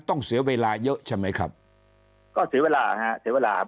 ต้องเสียเวลาเยอะใช่ไหมครับก็เสียเวลาฮะเสียเวลาครับ